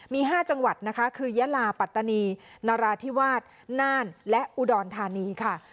มี๕จังหวัดนะคะคือยาลาปัตตานีนราธิวาสน่านและอุดรธานีค่ะ